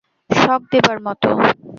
শক দেবার মতো?